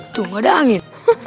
tuh gak ada angin